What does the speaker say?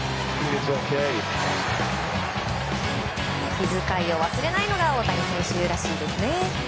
気遣いを忘れないのが大谷選手らしいですね。